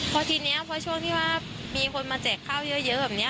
พอทีนี้พอช่วงที่ว่ามีคนมาแจกข้าวเยอะแบบนี้